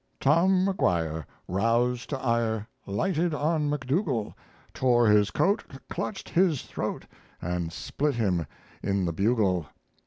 Tom Maguire, Roused to ire, Lighted on McDougal; Tore his coat, Clutched his throat, And split him in the bugle.